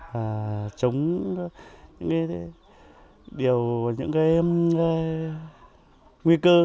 và chống những cái điều và những cái nguy cơ